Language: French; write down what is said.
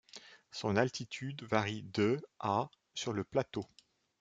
Son altitude varie de à sur le plateau.